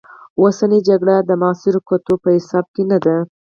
اوسنۍ جګړې د معاصرو ګټو په حساب کې نه دي.